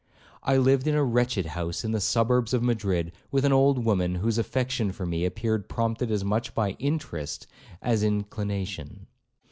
I lived in a wretched house in the suburbs of Madrid with an old woman, whose affection for me appeared prompted as much by interest as inclination.